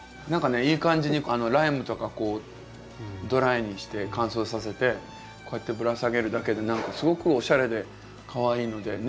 何かねいい感じにライムとかこうドライにして乾燥させてこうやってぶら下げるだけで何かすごくおしゃれでかわいいので。